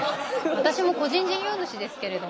私も個人事業主ですけれども。